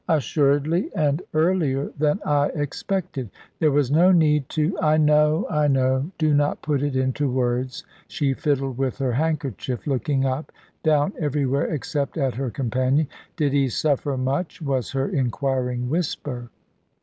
"Assuredly, and earlier than I expected. There was no need to " "I know I know! Do not put it into words," she fiddled with her handkerchief, looking up, down, everywhere except at her companion. "Did he suffer much?" was her inquiring whisper.